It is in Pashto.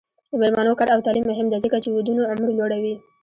د میرمنو کار او تعلیم مهم دی ځکه چې ودونو عمر لوړوي.